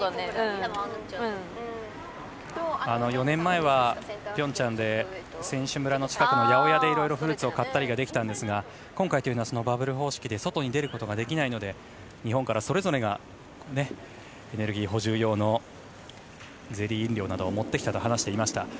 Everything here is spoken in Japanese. ４年前は、ピョンチャンで選手村の近くの八百屋でいろいろフルーツを買ったりできたんですが今回はバブル方式で外に出ることができないので日本から、それぞれがエネルギー補充用のゼリー飲料などを持ってきたと話しました。